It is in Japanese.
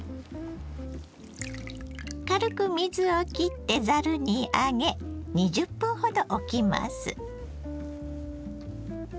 軽く水をきってざるに上げ２０分ほどおきます。